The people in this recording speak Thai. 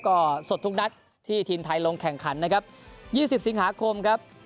ก็สดทุกนัดที่ทีมไทยลงแข่งขันนะครับ๒๐สิงหาคมครับ